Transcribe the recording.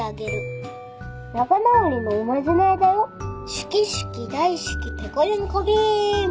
しゅきしゅき大しゅきペコリンコビーム。